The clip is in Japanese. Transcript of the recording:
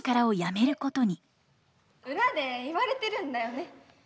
裏で言われてるんだよね。